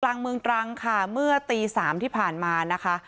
กลางเมืองตรังค่ะเมื่อตีสามที่ผ่านมานะคะ